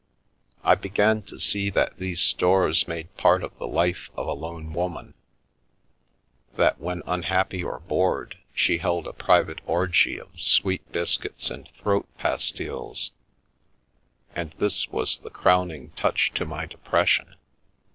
I began to see that these stores made part of the life of a lone woman — that when unhappy or bored, she held a private orgy of sweet biscuits and throat pastilles, and this was the crowning touch to my depression.